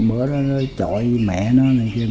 bữa đó nó chọi mẹ nó